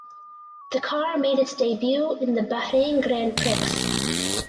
The car made its debut in the Bahrain Grand Prix.